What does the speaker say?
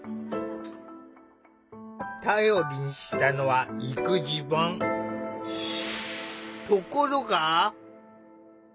頼りにしたのはところが。